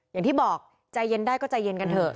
อย่างที่บอกใจเย็นได้ก็ใจเย็นกันเถอะ